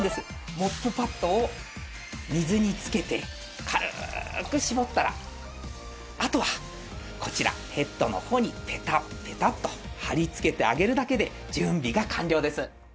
モップパッドを水につけて軽く絞ったらあとはこちらヘッドの方にペタペタと貼りつけてあげるだけで準備が完了です。